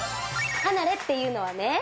「離れ」っていうのはね。